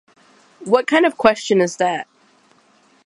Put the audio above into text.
What kind of question is that?